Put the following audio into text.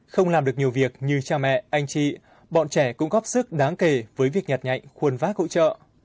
không làm được nhiều việc như cha mẹ anh chị bọn trẻ cũng góp sức đáng kể với việc nhặt nhạnh khuôn vác hỗ trợ